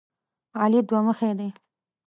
علي دوه مخی دی.